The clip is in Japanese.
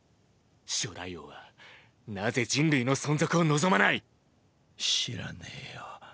初代王はなぜ人類の存続を望まない⁉知らねぇよ。